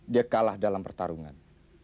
dia kalah dalam pertarungan